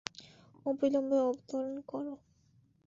অবিলম্বে অবতরণ করো।